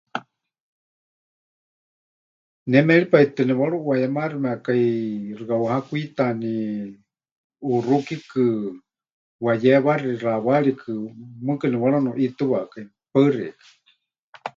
Ne méripai tɨ nepɨwaruʼuayemaximekai, xɨka ʼuhakwitani ʼuxukikɨ, hayéwaxi xawaarikɨ, mɨɨkɨ nepɨwaranuʼitɨwakai. Paɨ xeikɨ́a.